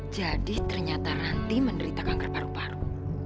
jadi ternyata ranti menderita kanker paru paru